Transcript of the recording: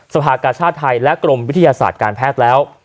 สภากาชาติไทยและกรมวิทยาศาสตร์การแพทย์แล้ว